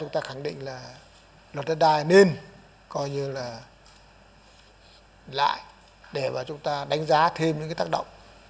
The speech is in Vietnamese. chúng ta khẳng định là luật đất đai nên coi như là lại để mà chúng ta đánh giá thêm những cái tác động